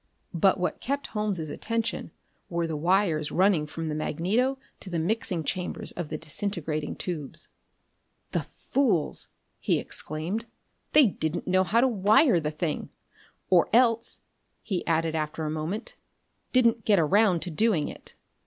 But what kept Holmes' attention were the wires running from the magneto to the mixing chambers of the disintegrating tubes. "The fools!" he exclaimed, " they didn't know how to wire the thing! Or else," he added after a moment, "didn't get around to doing it."